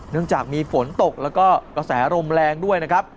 เนื่องจากมีฝนตกแล้วก็กระแสลมแรงด้วยนะครับ